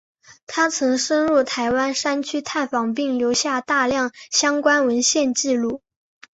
他曾深入台湾山区探访并留下大量相关文献纪录。